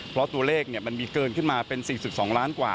เพราะตัวเลขมันมีเกินขึ้นมาเป็น๔๒ล้านกว่า